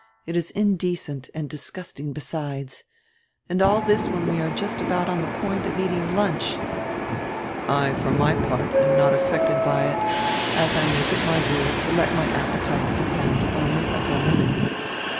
It is indecent, and disgusting besides. And all this when we are just about on the point of eating lunch!" "I for my part am not affected by it, as I make it my rule to let my appetite depend only upon the menu."